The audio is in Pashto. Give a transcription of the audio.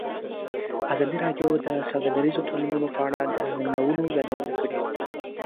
ازادي راډیو د سوداګریز تړونونه په اړه د ننګونو یادونه کړې.